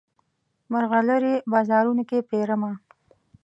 مرغلرې بازارونو کې پیرمه